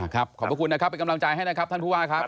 ขอบพระคุณนะครับเป็นกำลังใจให้นะครับท่านผู้ว่าครับ